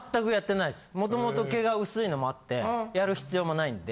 もともと毛が薄いのもあってやる必要もないんで。